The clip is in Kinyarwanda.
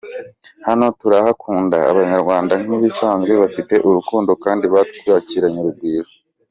Hano turahakunda, Abanyarwanda nk’ibisanzwe bafite urukundo kandi batwakiranye urugwiro.